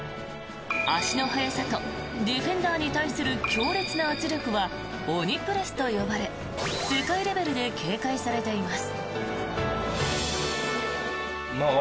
足の速さとディフェンダーに対する強烈な圧力は鬼プレスと呼ばれ世界レベルで警戒されています。